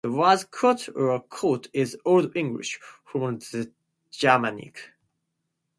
The word "cot" or "cote" is Old English, from the Germanic.